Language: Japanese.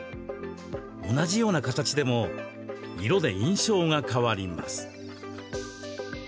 同じような形でも色で印象が変わります。